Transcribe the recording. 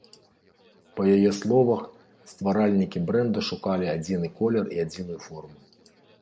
Па яе словах, стваральнікі брэнда шукалі адзіны колер і адзіную форму.